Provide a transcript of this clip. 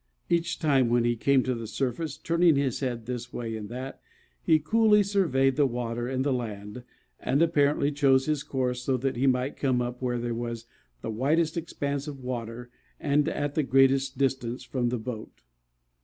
Each time, when he came to the surface, turning his head this way and that, he coolly surveyed the water and the land, and apparently chose his course so that he might come up where there was the widest expanse of water and at the greatest distance from the boat.